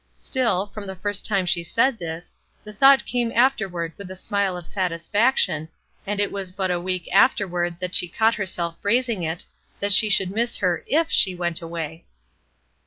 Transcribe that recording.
Still, from the first time she said this, the thought came afterward with a smile of satisfaction, and it was but a week afterward that she caught herself phrasing it, that she should miss her if she went away.